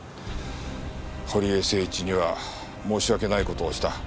堀江誠一には申し訳ない事をした。